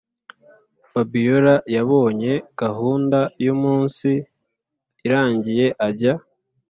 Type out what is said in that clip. fabiora yabonye gahunda yumunsi irangiye ajya